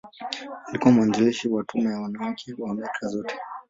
Alikuwa mwanzilishi wa Tume ya Wanawake ya Amerika Zote.